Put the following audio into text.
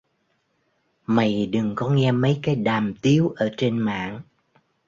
Mày đừng có nghe mấy cái đàm tiếu ở trên mạng